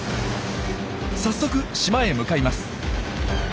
早速島へ向かいます。